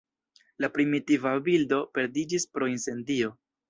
La primitiva bildo perdiĝis pro incendio.